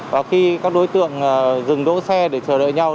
và khi các đối tượng dừng đỗ xe để chờ đợi nhau